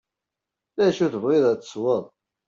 Acu tebɣiḍ ad tesweḍ.